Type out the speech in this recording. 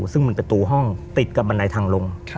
ซึ่งมันประตูห้องติดกับบันไดทางลง